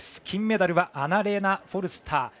金メダルはアナレーナ・フォルスター。